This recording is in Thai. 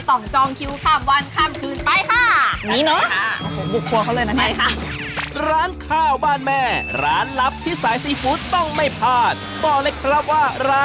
จองคิวข้ามวันข้ามคืนไปค่ะ